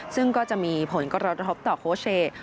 ซึ่งก็จะมีผลกระทบต่อโค้ชเชย์